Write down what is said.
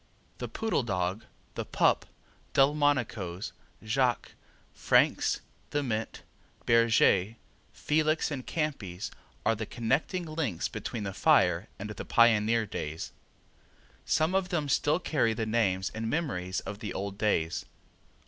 The Poodle Dog, the Pup, Delmonico's, Jacques, Frank's, the Mint, Bergez, Felix and Campi's are the connecting links between the fire and the pioneer days. Some of them still carry the names and memories of the old days.